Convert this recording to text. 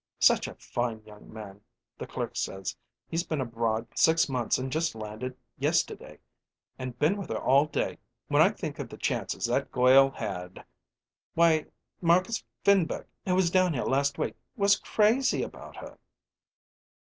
Such a fine young man, the clerk says; he's been abroad six months and just landed yesterday and been with her all day. When I think of the chances that goil had. Why, Marcus Finberg, who was down here last week, was crazy about her!"